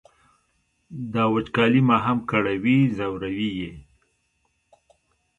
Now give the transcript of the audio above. دا وچکالي ما هم کړوي ځوروي یې.